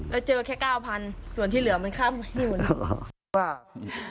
แล้วเจอแค่๙๐๐๐บาทส่วนที่เหลือมันคราบ๙๐๐๐บาท